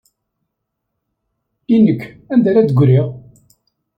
I nekk, anda ara d-ggriɣ?